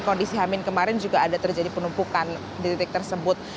kondisi hamin kemarin juga ada terjadi penumpukan di titik tersebut